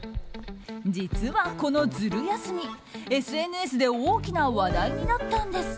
実は、このズル休みＳＮＳで大きな話題になったんです。